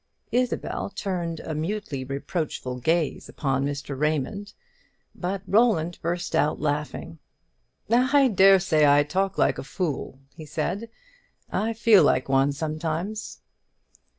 Isabel turned a mutely reproachful gaze upon Mr. Raymond, but Roland burst out laughing. "I dare say I talk like a fool," he said; "I feel like one sometimes."